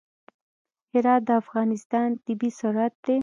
هرات د افغانستان طبعي ثروت دی.